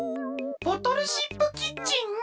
ボトルシップキッチン？